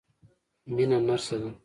مينه نرسه ده.